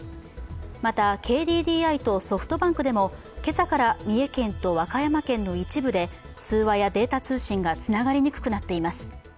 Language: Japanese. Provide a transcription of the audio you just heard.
また、ＫＤＤＩとソフトバンクでも今朝から三重県と和歌山県の一部で通話やデータ通信がつながりにくくなっています。